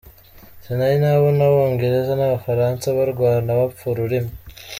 Sinari nabona Abongereza n’Abafaransa barwana bapfa ururimi.